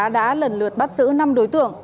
đã lần lượt bắt giữ năm đối tượng